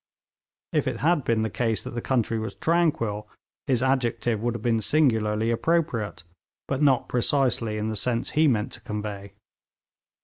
If it had been the case that the country was tranquil, his adjective would have been singularly appropriate, but not precisely in the sense he meant to convey.